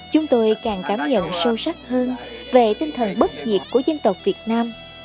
chúng tôi càng cảm nhận sâu sắc hơn về tinh thần bất diệt của dân tộc việt nam